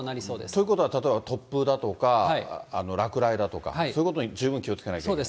ということは例えば突風だとか、落雷だとか、そういうことに十分気をつけないといけない。